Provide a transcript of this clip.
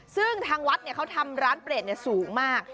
ซึ่งทางวัดเนี่ยเขาทำร้านเปรตเนี่ยสูงมาก